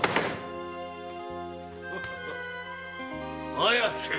・綾瀬！